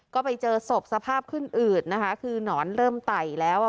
ก็ไปเจอศพสภาพขึ้นอืดนะคะคือหนอนเริ่มไต่แล้วอ่ะ